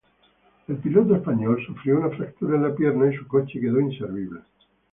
El piloto español sufrió una fractura en la pierna, y su coche quedó inservible.